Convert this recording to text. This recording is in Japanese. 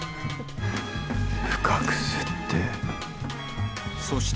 深く吸って。